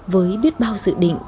với biết bao dự định